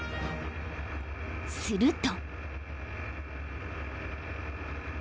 ［すると］